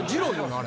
あれ。